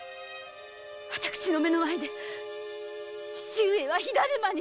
私の目の前で父上は火だるまに！